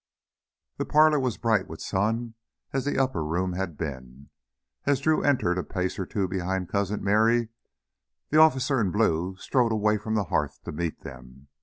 The parlor was as bright with sun as the upper room had been. As Drew entered a pace or two behind Cousin Merry, the officer in blue strode away from the hearth to meet them.